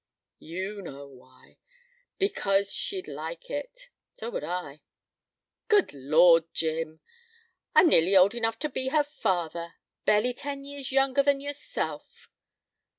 "You know why. Because she'd like it. So would I." "Good Lord, Jim! I'm nearly old enough to be her father. Barely ten years younger than yourself."